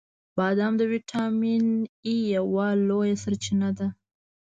• بادام د ویټامین ای یوه لویه سرچینه ده.